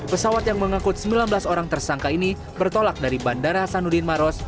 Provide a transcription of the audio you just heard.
pesawat yang mengangkut sembilan belas orang tersangka ini bertolak dari bandara hasanuddin maros